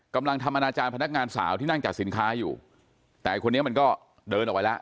กำลังทำอนาจารย์พนักงานสาวที่นั่งจัดสินค้าอยู่แต่ไอคนนี้มันก็เดินออกไปแล้ว